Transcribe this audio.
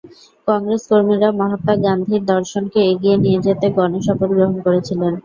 কংগ্রেস কর্মীরা মহাত্মা গান্ধীর দর্শনকে এগিয়ে নিয়ে যেতে গণ শপথ গ্রহণ করেছিলেন।